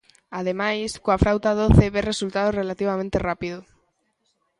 Ademais, coa frauta doce ves resultados relativamente rápido.